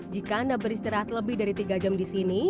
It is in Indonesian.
jika anda beristirahat lebih dari tiga jam di sini